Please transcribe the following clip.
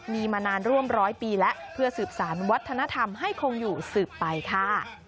มีมานานร่วมร้อยปีแล้วเพื่อสืบสารวัฒนธรรมให้คงอยู่สืบไปค่ะ